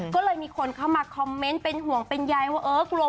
ก็เลยมีคนเข้ามาคอมเมนต์เป็นห่วงเป็นใยว่าเออกลัว